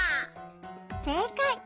せいかい！